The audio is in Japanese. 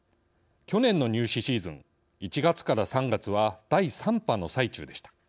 去年の入試シーズン１月から３月は第３波の最中でした。